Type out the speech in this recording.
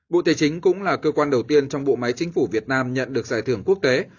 bộ tài chính cũng là cơ quan đầu tiên trong bộ máy chính phủ việt nam nhận được giải thưởng quốc tế